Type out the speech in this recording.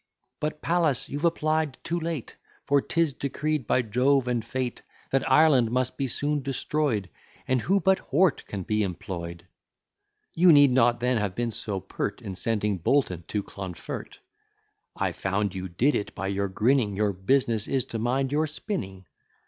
But, Pallas, you've applied too late; For, 'tis decreed by Jove and Fate, That Ireland must be soon destroy'd, And who but Hort can be employ'd? You need not then have been so pert, In sending Bolton to Clonfert. I found you did it, by your grinning; Your business is to mind your spinning.